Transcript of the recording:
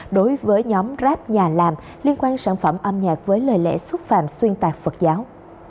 đối với nhóm grab nhà làm liên quan sản phẩm âm nhạc với lời lẽ xúc phạm xuyên tạc phật giáo